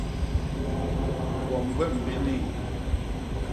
Gwom gwen bini?